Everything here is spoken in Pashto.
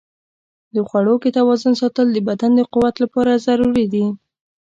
د خواړو کې توازن ساتل د بدن د قوت لپاره ضروري دي.